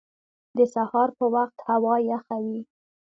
د سهار په وخت هوا یخه وي